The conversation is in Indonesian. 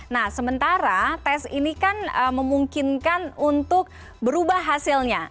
nah sementara tes ini kan memungkinkan untuk berubah hasilnya